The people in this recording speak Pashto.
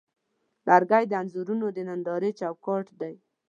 لرګی د انځورونو د نندارې چوکاټ دی.